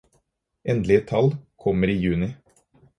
Endelige tall kommer i juni.